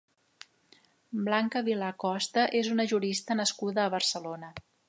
Blanca Vilà Costa és una jurista nascuda a Barcelona.